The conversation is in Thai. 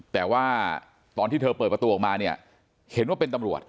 แต่ว่าตอนที่เธอเปิดประตูออกมาเนี่ยเห็นว่าเป็นตำรวจ